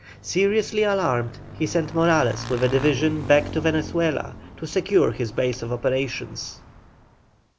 Seriously alarmed, he sent Morales with a division back to Venezuela to secure his base of operations.